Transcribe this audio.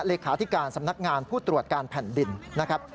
เลขาธิการสำนักงานผู้ตรวจการแผ่นดินนะครับ